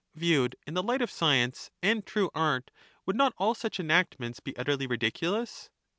Viewed in the light of stramcbr, science and true art, would not all such enactments be ^^^tks. utterly ridiculous?